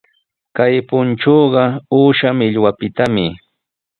Kay punchuqa uusha millwapitami.